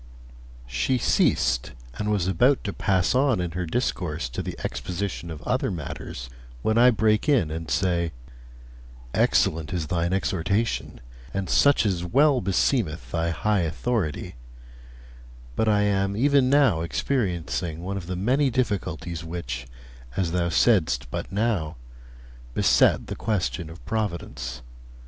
I. She ceased, and was about to pass on in her discourse to the exposition of other matters, when I break in and say: 'Excellent is thine exhortation, and such as well beseemeth thy high authority; but I am even now experiencing one of the many difficulties which, as thou saidst but now, beset the question of providence.